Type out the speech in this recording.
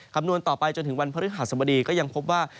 คำนวณต่อไปจนถึงวันพฤหัสบดีก็ยังพบว่า